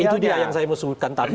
itu dia yang saya mau sebutkan tadi